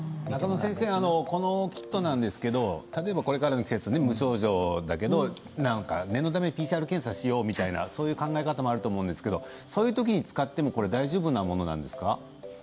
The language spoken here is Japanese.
このキットなんですけどこれからの季節、無症状だけど念のためＰＣＲ検査をしようという考え方もあると思うんですが、その時に使っても大丈夫なものなんですか。